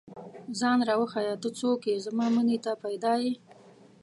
ځان راوښیه، ته څوک ئې؟ زما مینې ته پيدا ې